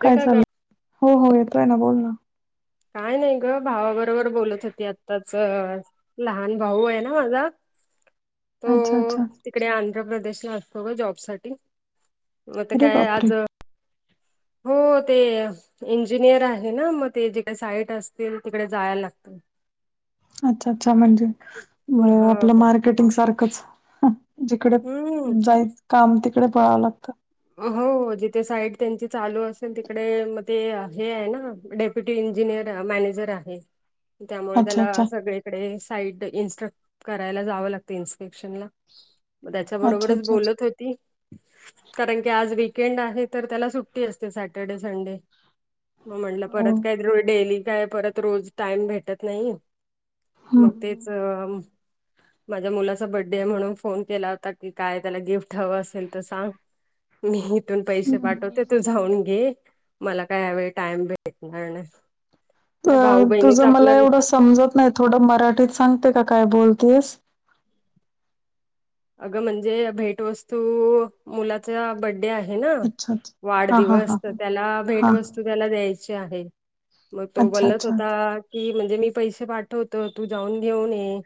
ते काय का ग चाललं हो हो येतोय ना बोल ना काय नाही ग भावाबरोबर बोलत होती आत्ताच लहान भाऊ आहे ना माझा तो अच्छा अच्छा तिकडे आंध्र प्रदेशला असतो ग जॉब साठी मग ते अरे काय बापरे आज हो ते इंजिनियर आहे ना मग ते जिकडे साईट असतील तिकडे जायला लागत [inaudible] अच्छा अच्छा म्हणजे आपलं ह मार्केटिंग सारखंच जिकडे हम्म जाईल काम तिकडे पळावं लागतं हो हो जिथे साईड त्यांची चालू असेल तिकडे मग ते हे आहे ना डेपो फुट इंजिनिअर मॅनेजर आहे त्यामुळे अच्छा त्याला अच्छा सगळीकडे साईड इन्स्ट्रक्ट करायला जावं लागतं इन्स्पेक्शन ला मग त्याच्या अच्छा बरोबरच अच्छा अच्छा बोलत होती कारण की आज वीकेंड आहे तर त्याला सुट्टी असते सॅटर्डे संडे मग म्हटलं परत हो काय डेली काय परत रोज टाइम भेटत नाही हम्म मग तेच माझ्या मुलाचा बड्डे म्हणून फोन केला होता की काय त्याला गिफ्ट हवं असेल तर सांग मी इथून पैसे हम्म पाठवते हम्म. तू जाऊन घे मला कायवेेळी टाइम भेटणार नाही अ भाऊ बहिणीच तुझं मला आपलं एवढं समजत नाही थोडं मराठीत सांगते का काय बोलतेस अगं म्हणजे भेट वस्तू मुलाच्या बड्डे उद्या आहे ना अच्छा अच्छा हा हा हा वाढदिवस तर त्याला भेट हा हा. वस्तू त्याला द्याची आहे मग तो अच्छा बोलत अच्छा होता हम्म की म्हणजे मी पैसे पाठवतो तू जाऊन घेऊन ये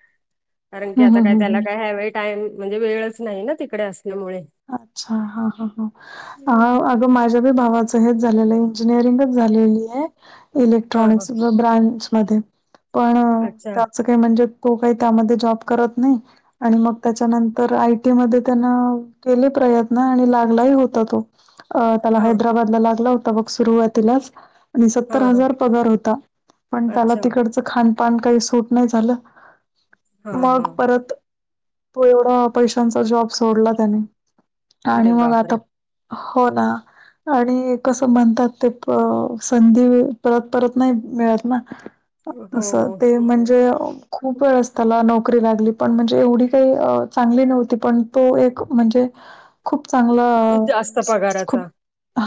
कारण की आता हम्म काय हम्म त्याला काय ह्यावेेळी टाईम म्हणजे वेळच नाही ना तिकडे असल्यामुळे आच्छा हा हा हा अगं माझ्या विभागचं हेच झालेलं इंजीनियरिंग झालेलीये हा हा इलेक्ट्रॉनिक्स व ब्रांच मध्ये पण अच्छा आणि मग त्याच्यानंतर आयटी मध्ये त्यांना केले प्रयत्न आणि लागलाही होता तो त्याला हा हैदराबाद हेला लागला होता बग सुरुवातीलाच सत्तर हा हा. हजार पगार होता पण त्याला अच्छा तीकडंच खानपान काही सूट नाही झालं हा हा मग परत तो एवढा पैशांचा जॉब सोडला त्याने अरे आणि मग बापरे! आता हो ना आणि कसं म्हणतात ते संधी परत परत नाही मिळत ना [unintelligible] तस हो. ते म्हणजे खूप वेळस त्याला नोकरी लागली पण म्हणजे एवढी काही चांगली नव्हती पण तो एक म्हणजे खूप चांगला जास्त पगाराचा. खूप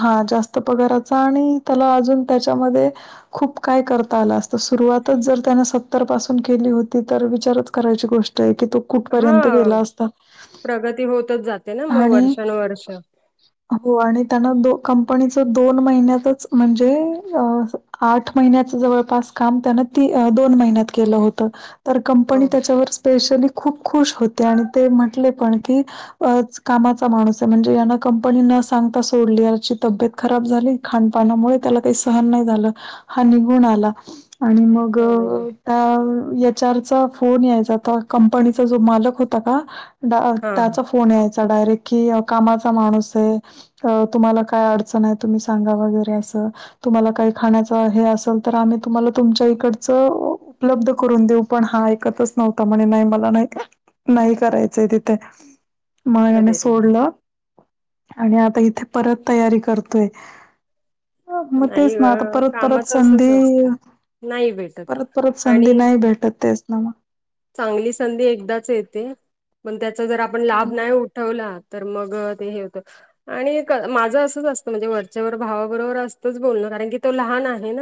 हा जास्त पगाराचा आणि त्याला अजून त्याच्यामध्ये खूप काय करता आलं असत सुरुवातच जर त्याने सत्तर पासून केली होती तर विचारच करायची गोष्ट तैकी तो हा कुठपर्यंत गेला असता प्रगती होतच जाती आणि हो आणि त्यांना दो कंपनीच दोन महिन्यातच म्हणजे आठ महिन्याचं जवळपास काम त्यानं ती दोन महिन्यात केलं होतं तर हो कंपनी त्याच्यावर स्पेशली खूप खुश होते आणि ते म्हटले पण की कामाचा माणूस आहे म्हणजे याना कंपनी न सांगता सोडली याची तब्येत खराब झाली खानपाणामुळे त्याला काही सहन नाही झालं हा निघून आला आणि मग अरे याच्यारचा फोन यायचाता कंपनीचा जो मालक होता का हां त्याचा फोन यायचा डायरेक्ट की कामाचा माणूस आहे अ तुम्हाला काय अडचण आहे तुम्ही सांगा वगैरे असं तुम्हाला काही खाण्याचा हे असेल तर आम्ही तुम्हाला तुमच्या इकडच उपलब्ध करून देऊ पण हा ऐकतच नव्हता म्हणे नाही मला नाही ते नाही करायचंय तिथे मग याने अरेरे! सोडलं आणि आता इथे परत तयारी करतोय मग नाही तेच ना आता गं परत परत कामाचं असंच संधी असतं. नाही भेटत परत परत संधी आणि नाही भेटत तेच ना मग चांगली संधी एकदाच येते पण त्याचा जर आपण लाभ नाही उठवला तर मग ते हे होतं आणि माझं असंच असतं म्हणजे वरच्यावर भावाबरोबर असत ब कारण क तो ल आहे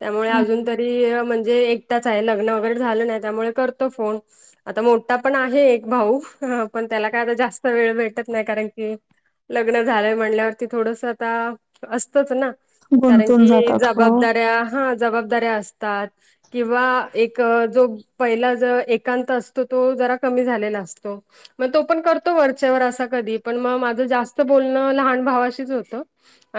त्यामुळे अज हम्म. म्हणजे एकटच आहे लग्न वगैरे झालं नाही त्यामुळे करतो फोन आता मोठा पण आहे एक भाऊ पण त्याला काय आता जास्त वेळ भेटत नाही कारण की लग्न झालंय म्हणल्यावरती थोडस आता असतच ना कारण गुंतून की जातात हो. जबाबदाऱ्या हा जबाबदाऱ्या असतात किंवा एक जो पहिला ज एकांत असतो तो जरा कमी झालेला असतो मग तो पण करतो वरच्यावर असा कधी पण मग माझं जास्त बोलणं लहान भावाशीच होतं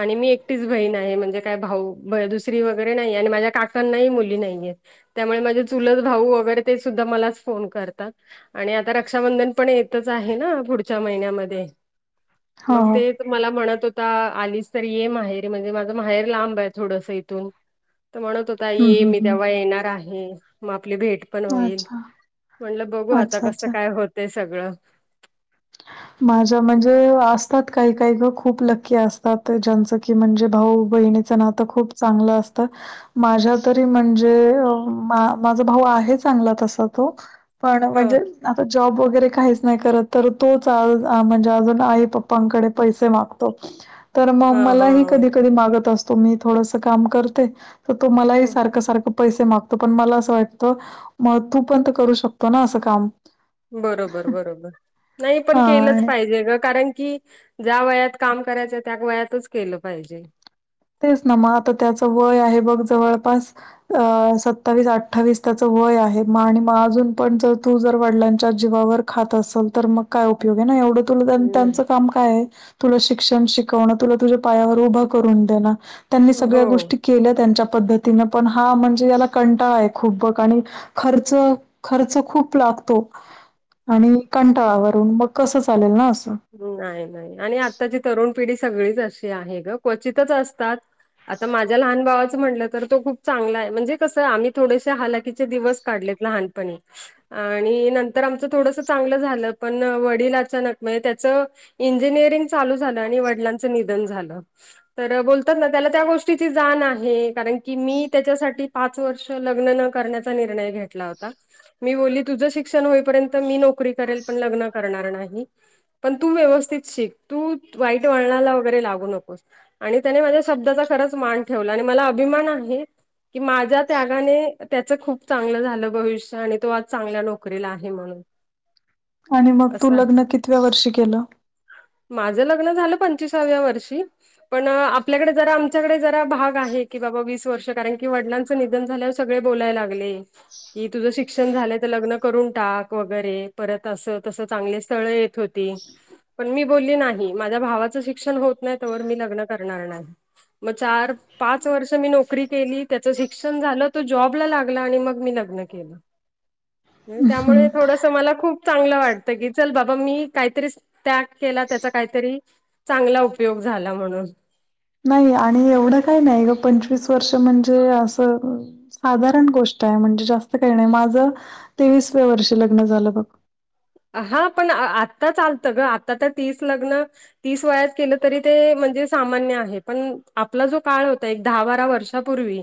आणि मी एक ीच बहीण आहे म्हणजे काय भाऊ दुसरी वगैरे नाही आणि माझ्या काकांनाही मुली नाहीये त्यामुळे माझे चुलत भाऊ वगैरे ते सुद्धा मलाच फोन करतात आणि आता रक्षाबंधन पण येतच आहे ना पुढच्या महिन्यामध्ये हो, मग हो. ते मला म्हणत होता आलीच तर येम आहे म्हणजे माझं माहेर लांब आहे थोडस इथून त म्हणत होता, हं, ये हं, मी हं. तेव्हा येणार आहे, म आपली भेट पण होईल, अच्छा, म्हणलं बघू आता अच्छा, कस अच्छा. काय होतय सगळं माझ्या म्हणजे असतात काही काही ग खूप लक्की असतात, ज्यांचं की म्हणजे भाऊ बहिणीचं ना त खूप चांगलं असतं. माझ्या तरी म्हणजे अ मा माझा भाऊ आहे चांगला तसा तो पण ह म्हणजे आता जॉब वगैरे काहीच नाही करत तर तोच आ अ म्हणजे अजून आई पप्पांकडे पैसे मागतो. तर मग हा मलाही हा कधी कधी मागत असतो, मी थोडस काम करते. त तो मलाही सारखं सारखं पैसे मागतो, पण मला असं वाटत मग तू पण करू शकतो ना असं काम बरोबर बरोबर नाही पण केलंच हां. पाहिजे ग कारण की ज्या वयात काम करायचंय त्या वयातच केलं पाहिजे. तेच ना मग आता त्याच वय आहे बघ जवळपास अ सत्तावीस अठ्ठावीस त्याचं वय आहे. म आणि मग अजून पण जर तू जर वडिलांच्या जीवावर खात असल तर मग काय उपयोग ये ना, एवढं तुला त्यान हम्म. त्यांच काम काय आय, तुला शिक्षण शिकवण, तुला तुझ्या पायावर उभं करून देणं त्यांनी सगळ्या हो गोष्टी केल्या त्यांच्या पद्धतीनं पण हा म्हणजे याला कंटाळा आहे खूप बघ आणि खर्च खर्च खूप लागतो आणि कंटाळा वरून मग कसं चालेल ना असं नाई नाई आणि आत्ताची तरुण पिढी सगळीच अशी आहे ग क्वचितच असतात. आता माझ्या लहान भावाचं म्हणलं तर तो खूप चांगला आहे म्हणजे कसं आम्ही थोडेसे हलाकीचे दिवस काढलेत लहानपणी आणि नंतर आमच थोडस चांगलं झालं पण वडील अचानक म्हणजे त्याचं इंजिनिअरिंग चालू झालं आणि वडिलांचं निधन झालं. तर बोलतात ना त्याला त्या गोष्टीची जाण आहे कारण की मी त्याच्यासाठी पाच वर्ष लग्न न करण्याचा निर्णय घेतला होता. मी बोलली तुझं शिक्षण होईपर्यंत मी नोकरी करेल पण लग्न करणार नाही. पण तू व्यवस्थित शिक, तू वाईट वळणाला वगैरे लागू नकोस. आणि त्याने माझ्या शब्दाचा खरंच मान ठेवला आणि मला अभिमान आहे. की माझ्या त्यागाने त्याच खूप चांगलं झालं भविष्य आणि तो आज चांगल्या नोकरीला आहे म्हणून [inaudible] आणि मग तू असं लग्न कितव्या वर्षी केलं? माझं लग्न झालं पंचवीसाव्या वर्षी पण आपल्याकडे जरा आमच्याकडे जरा भाग आहे की बाबा वीस वर्ष कारण की वडलांचं निधन झाल्या सगळे बोलाय लागले. की तुझं शिक्षण झालय तर लग्न करून टाक वगैरे परत असं तसं चांगले स्थळ येत थोती पण मी बोलली नाही, माझ्या भावाचं शिक्षण होत नाही तोवर मी लग्न करणार नाही. म चार पाच वर्ष मी नोकरी केली, त्याच शिक्षण झालं, तो जॉबला लागला आणि मग मी लग्न केलं. [unintelligible] हम्म. त्यामुळे थोडस मला खूप चांगलं वाटत की चल बाबा मी काहीतरी त्याग केला त्याचा काहीतरी चांगला उपयोग झाला म्हणून नाही आणि एवढं काही नाही ग पंचवीस वर्ष म्हणजे असं साधारण गोष्ट आहे म्हणजे जास्त काही नाही, माझं तेवीसव्या वर्षी लग्न झालं बघ. अहा पण आत्ता चालतं ग, आता तर तीस लग्न तीस वयात केलं तरी ते म्हणजे सामान्य आहे, पण आपला जो काळ होता एक दहा बारा वर्षा [unintelligible] पूर्वी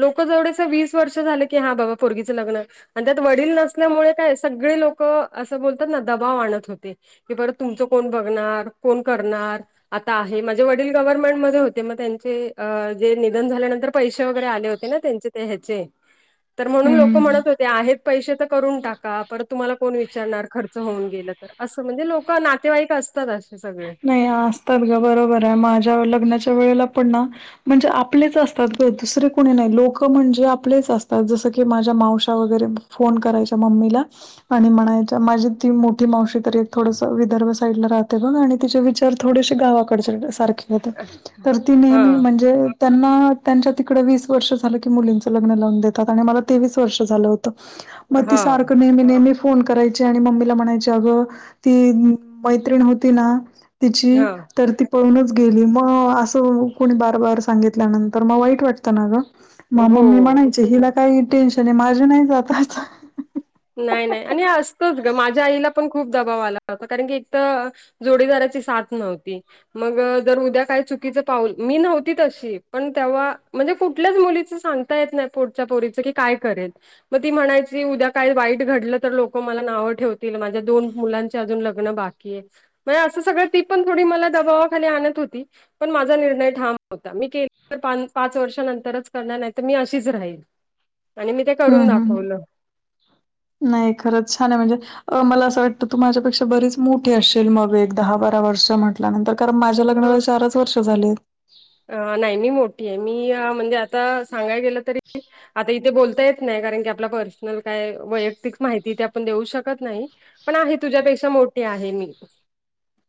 लोक जेवडस वीस वर्ष झालं की हा बाबा पोरगीच लग्न आणि त्यात वडील नसल्यामुळे काय सगळे लोक असं बोलतात ना दबाव आणत होते. की बरं तुमचं कोण बघणार, कोण करणार? आता आहे, माझे वडील गव्हर्नमेंट मध्ये होते मग त्यांचे अ जे निधन झाल्यानंतर पैसे वगैरे आले हो ते ना त्यांचे ते ह्याचे तर म्हणून लोक हम्म. म्हणत होते आहेत पैसे तर करून टाका परत तुम्हाला कोण विचार वीचाणार खर्च होऊन गेलं तर असं म्हणजे लोक नातेवाईक असतात असे सगळे.... नाही असतात ग बरोबर आहे माझ्या लग्नाच्या वेळेला पण ना म्हणजे आपलेच असतात दुसरे कोणी नाही लोक म्हणजे आपलेच असतात जसं की माझ्या मावश वगैरे... फोन करायचा मम्मीला... आणि म्हणायच्या माझी ती मोठी मावशी तरी एक थोडस विदर्भ साईड ला राहते बघ आणि... तिचे विचार थोडेसे गावाकडचे सारखे होते तर ती हा नेहमी म्हणजे... त्यांना त्यांच्या तिकडे वीस वर्ष झालं की मुलींचं लग्न लावून देतात आणि मला तेवीस वर्ष झालं होतं.... मग ती हा सारख नेहमी नेहमी.... फोन करायचे आणि मम्मीला म्हणायचे अगं ती मैत्रीण होती ना.... तिची हा तर ती.... पळूनच गेली मग असं कोणी बार बार सांगितल्यानंतर मग वाईट वाटतं ना ग..... म मम्मी हो म्हणायची हिला काही टेन्शन आहे माझे नाही जातच आता.... नाही नाही आणि असतंच ग माझ्या आईला पण खूप दबाव आला होता कारण की एक तर.... जोडीदाराची साथ नव्हती... मग जर उद्या काय चुकीच पाऊल मी नव्हती तशी पण तेव्हा म्हणजे कुठल्याच मुलीच सांग... सांगता येत नाही पोटच्या पोरीचं ती काय करेल ती म्हणायची उद्या.... काही वाईट घडलं तर लोक मला नावं ठेवतील माझ्या दोन मुलांचे अजून लग्न बाकी आहे... म्हण असं सगळं ती पण थोडी मला दबावाखाली आणत होती.... पण माझा निर्णय ठाम होता मी के तर पाच वर्षंतरच करणार नाही तर मी अशीच राहील.... आणि मी ते हम्म करून हम्म दाखवलं.... नाही खरंच छान आहे म्हणजे.... मला असं वाटतं तू माझ्यापेक्षा बरीच मोठी असशल मग एक दहा बारा वर्ष म्हट.... नंतर कारण माझ्या अ लग्नाला चारच वर्ष झाले... अ नाही मी मोठी आहे मी म्हणजे आता सांगाय गेलं तरी... आता इथे बोलता येत नाही कारण की आपला पर्सनल काय वैयक्तिक माहिती तेे आपण देऊ शकत नाही.... पण आहे तुझ्यापेक्षा मोठे आहे मी....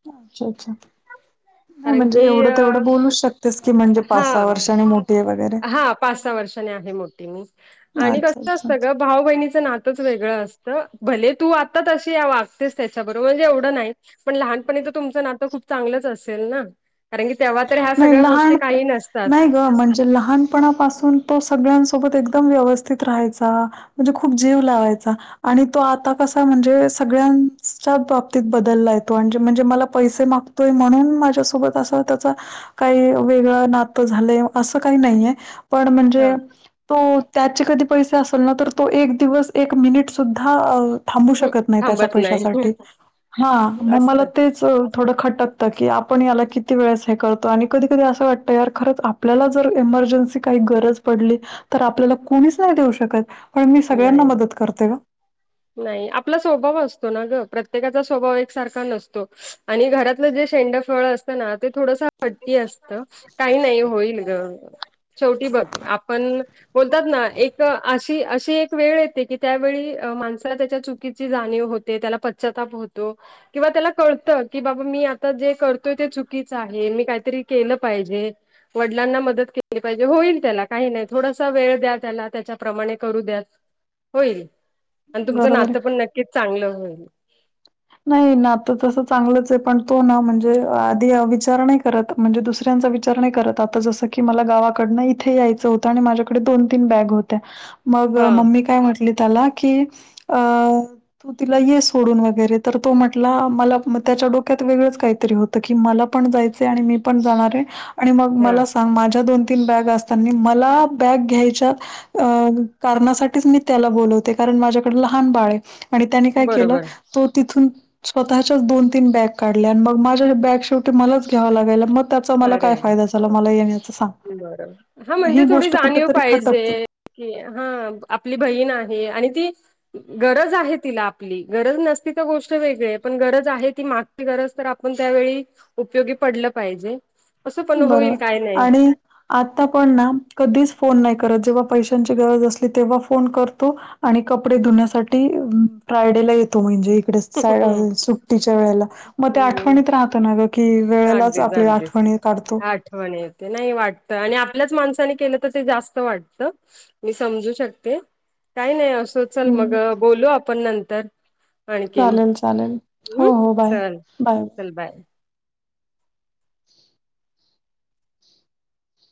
अच्छा अच्छा नाही कारण म्हणजे की एवढं तेवढं बोलू शकत.... तेच की म्हणजे हा पाचहा वर्षानी.... हा पाच सहा वर्षानी आहे मोठी मी आणि अच्छा, कस अच्छा. असतं ग... भाऊ बहिणीचं नातंच वेगळं असतं भले तू आता तशी वागतेस त्याच्याबरोबर म्हणजे एवढं नाही.... पण लहानपणी तर तुमचं नातं खूप चांगलंच असेल ना कारण की.... तेव्हा तर ह्या नाही सगळ्या गोष्टी लहान काही नसतात..... नाही ग म्हणजे लहानपणापासून तो सगळ्यांसोबत एकदम व्यवस्थित राहायचा..... म्हणजे खूप जीव लावायचा..... आणि तो आता कसा म्हणजे सगळ्यांच्या बाबतीत बदलला येतो आणि म्हणजे मला पैसे मागतो... य म्हणून माझ्यासोबत असा.... काही वेगळं नातं झालं असं काही नाहीये पण म्हणजे.... हा तो त्याचे कधी पैसे असल ना तर तो एक दिवस एक मिनिट सुद्धा..... थांबू शकत नाही त्याच्या थांबत नाही पैशासाठी हा मग असत मला ते... थोडं खटकतं की आपण याला किती वेळेस.... ते करतो आणि कधी कधी असं वाटतं यार खरंच आपल्याला जर एमर्जन्सी काही गरज पडली.... तर आपल्याला कोणीच नाही देऊ शकत पण मी सगळ्यांना नाही. मदत करते ग? नाही आपला स्वभाव असतो ना ग प्रत्येकाचा स्वभाव एकसारखा नसतो..... आणि घरातलं जे शेंड फळ असतं ना ते थोडस... हट्टी असत काही नाही होईल ग शेवटी बघ आपण... बोलतात ना एक अशी अशी एक वेळ येते की त्यावेळी मान..... त्याच्या चुकीची जाणीव होते त्याला पश्चताप होतो..... किंवा त्याला कळतं की बाबा मी आता जे करतोय ते चुकीच आहे मी काहीतरी केलं पाहिजे.... वडिलांना मदत केली पाहिजे होईल त्याला काही नाही थोडासा वेळ द्या त्याला त्याच्याप्रमाणे करू द्या..... होईल आणि तुमचं बरोबर आहे. नातं पण नक्कीच चांगलं होईल नाही ना आता तसं चांगलंच आहे पण तो ना म्हणजे आधी विचार नाही करत म्हणजे दुसऱ्यांचा विचारणे करत आता जसं की मला गावाकडनं इथे यायचं होतं आणि माझ्याकडे दोन तीन बॅग होत तर मग हा मम्मी काय म्हटली त्याला की अ तू तिला ये सोडून वगैरे तर तो म्हटला मला त्याच्या डोक्यात वेगळंच काहीतरी होतं की मला पण जायचंय आणि मी पण जाणार आहे आणि मग हा मला सांग माझ्या दोन तीन बॅग असतानी मला बॅग घ्यायच्या अ कारणासाठीच मी त्याला बोलवते कारण माझ्याकडे लहान बाळ आहे आणि त्यानी काय केलं बरोबर तो तिथून स्वतःच्याच दोन तीन बॅग काढले आणि मग माझ्या बॅग शेवटी मलाच घ्यावा लागायला मग त्याचा मला काय अरे फायदा झाला मला येण्या याच सांग बरोबर. हा मग ही म्हणजे थोडी गोष्ट जाणीव कुठेतरी खटपतील पाहिजे हा आपली बहीण आहे आणि ती गरज आहे तिला आपली गरज नसती तर गोष्ट वेगळी पण गरज आहे ती माग गरज तर आपण त्यावेळी उपयोगी पडलं पाहिजे असं पण बरोबर होईल काय नाही. आणि आता पण ना कधीच फोन नाही करत जेव्हा पैशांची गरज असली तेव्हा फोन करतो आणि कपडे धुण्यासाठी फ्रायडे ला येत तो म्हणजे इकडे सुट्टीच्या वेळेला मग ते आठवणीत राहतो ना ग कि वेळेलाच आपल्या आठवणी काढतो आठव नाही वाटत आणि आपल्याच माणसाने केलं तर ते जास्त वाटत मी समजू शकते काही नाही असं चल मग हं, बोलू आपण नंतर आणखीन चालेल, चालेल. हो, हो. बाय. चल बाय. चल बाय [inaudible]